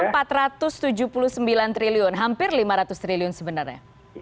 perlin sos dua ribu dua puluh tiga empat ratus tujuh puluh sembilan triliun hampir lima ratus triliun sebenarnya